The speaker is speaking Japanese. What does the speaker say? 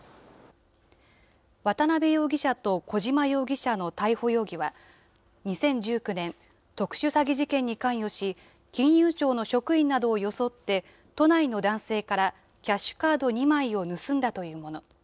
渡邉容疑者と小島容疑者の逮捕容疑は、２０１９年、特殊詐欺事件に関与し、金融庁の職員などを装って、都内の男性からキャッシュカード２枚を盗んだというもの。